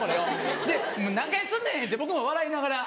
で「何回すんねん！」って僕も笑いながら。